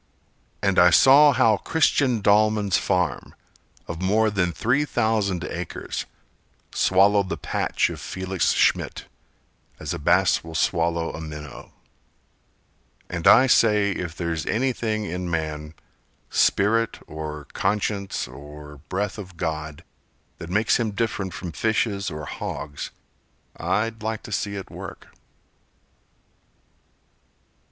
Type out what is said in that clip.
And I saw how Christian Dallman's farm, Of more than three thousand acres, Swallowed the patch of Felix Schmidt, As a bass will swallow a minnow And I say if there's anything in man— Spirit, or conscience, or breath of God That makes him different from fishes or hogs, I'd like to see it work!